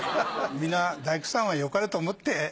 皆大工さんはよかれと思って。